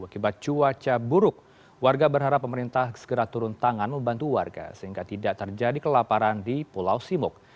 akibat cuaca buruk warga berharap pemerintah segera turun tangan membantu warga sehingga tidak terjadi kelaparan di pulau simuk